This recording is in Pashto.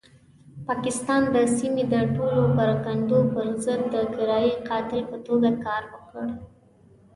پاکستان د سیمې د ټولو پرګنو پرضد د کرایي قاتل په توګه کار وکړ.